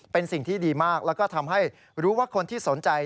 เป็นสิ่งที่ดีมากแล้วก็ทำให้รู้ว่าคนที่สนใจ